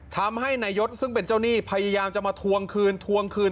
ทำให้นายศซึ่งเป็นเจ้าหนี้พยายามจะมาทวงคืนทวงคืน